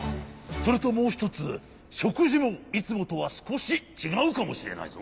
それともうひとつしょくじもいつもとはすこしちがうかもしれないぞ。